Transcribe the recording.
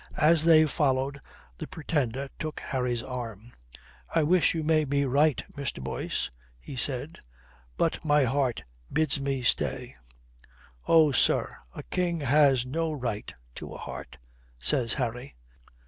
As they followed the Pretender took Harry's arm. "I wish you may be right, Mr. Boyce," he said. "But my heart bids me stay." "Oh, sir, a king has no right to a heart," says Harry.